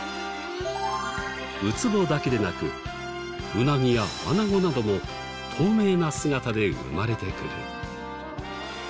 ウツボだけでなくウナギやアナゴなども透明な姿で生まれてくる。